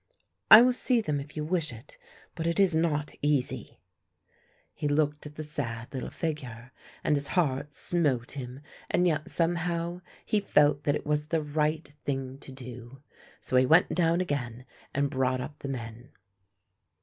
"I will see them if you wish it, but it is not easy." He looked at the sad little figure and his heart smote him and yet somehow he felt that it was the right thing to do, so he went down again and brought up the men.